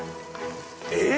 えっ！